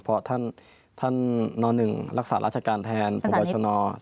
เพราะท่านท่านนหนึ่งรักษาราชการแทนท่านสันนิท